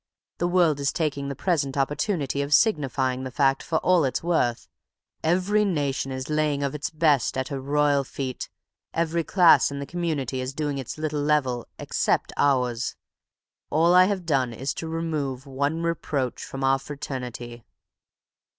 The world is taking the present opportunity of signifying the fact for all it is worth. Every nation is laying of its best at her royal feet; every class in the community is doing its little level—except ours. All I have done is to remove one reproach from our fraternity."